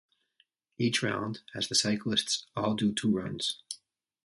Each round has the cyclists all do two runs.